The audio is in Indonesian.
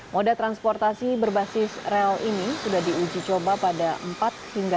moda transportasi berbasis rail ini sudah diuji coba pada empat tahun